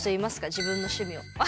自分の趣味を。